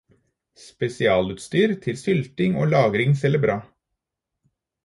Spesialutstyr til sylting og lagring selger bra.